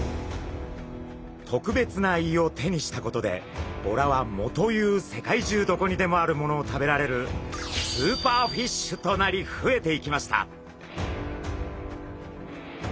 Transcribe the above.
特別な胃を手にしたことでボラは藻という世界中どこにでもあるものを食べられるスーパーフィッシュとなり増えていきました。